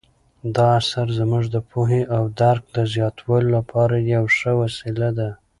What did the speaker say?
دا اثر زموږ د پوهې او درک د زیاتولو لپاره یوه ښه وسیله ده.